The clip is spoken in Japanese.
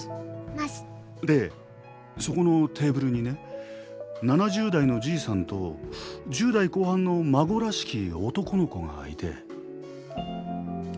でそこのテーブルにね７０代のじいさんと１０代後半の孫らしき男の子がいて。